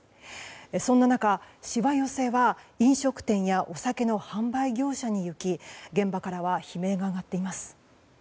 そんな中、しわ寄せは飲食店やお酒の販売業者にいき現場からは悲鳴が上がっています。